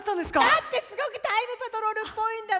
⁉だってすごくタイムパトロールっぽいんだもん